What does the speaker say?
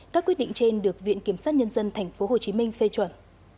các quyết định trên được viện kiểm sát nhân dân tp hcm phê chuẩn